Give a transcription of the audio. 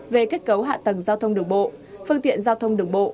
về kết cấu hạ tầng giao thông đường bộ phương tiện giao thông đường bộ